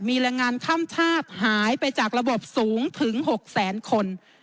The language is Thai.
มีแรงงานข้ามชาติหายไปจากระบบสูงถึง๖แสนคน